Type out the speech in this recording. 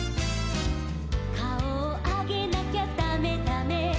「かおをあげなきゃだめだめ」